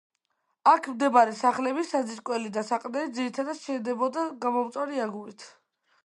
აქ მდებარე სახლების საძირკველი და საყრდენი ძირითადათ შენდებოდა გამომწვარი აგურით.